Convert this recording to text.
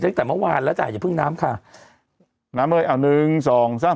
ตั้งแต่เมื่อวานแล้วจ้ะอย่าเพิ่งน้ำค่ะน้ำเลยเอาหนึ่งสองสาม